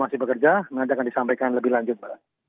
masih bekerja nanti akan disampaikan lebih lanjut mbak